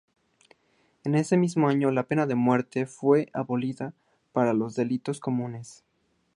En el mismo año, la pena de muerte fue abolida para los delitos comunes.